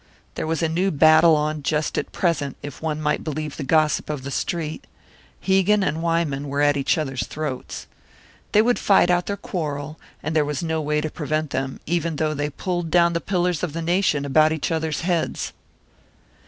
There was a new battle on just at present, if one might believe the gossip of the Street; Hegan and Wyman were at each other's throats. They would fight out their quarrel, and there was no way to prevent them even though they pulled down the pillars of the nation about each other's heads.